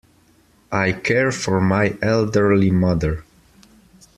I care for my elderly mother.